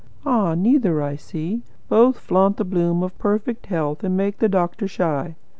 Ah, neither, I see. Both flaunt the bloom of perfect health and make the doctor shy.